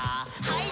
はい。